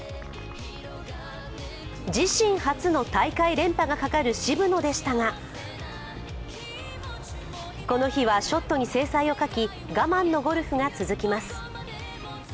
自身初の大会連覇がかかる渋野でしたがこの日はショットに精細を欠き我慢のゴルフが続きます。